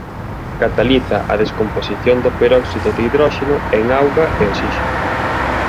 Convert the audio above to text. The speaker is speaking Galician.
Cataliza a descomposición do peróxido de hidróxeno en auga e osíxeno.